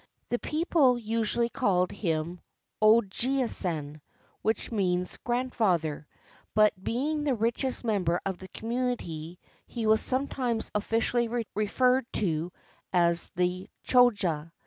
The people usually called him Ojiisan, which means Grandfather ; but, being the richest member of the community, he was sometimes officially referred to as the Choja.